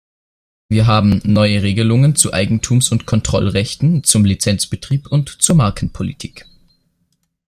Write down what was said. Wir haben neue Regelungen zu Eigentums- und Kontrollrechten, zum Lizenzbetrieb und zur Markenpolitik.